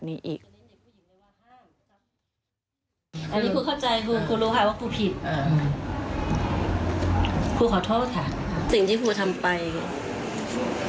เป็นสิ่งที่ครูหวังดีแต่ความหวังดีของครูเนี่ย